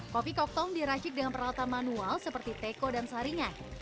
kopi koktong diracik dengan peralatan manual seperti teko dan saringan